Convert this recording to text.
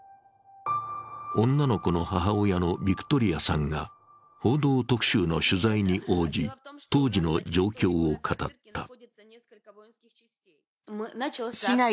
女の子の母親のヴィクトリアさんが「報道特集」の取材に応じ、当時の状況を語った。